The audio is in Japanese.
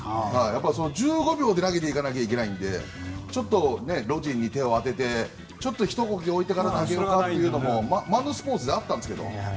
１５秒で投げていかなきゃいけないのでロジンに手を当ててちょっとひと呼吸おいて投げるかというのもあったんですけど。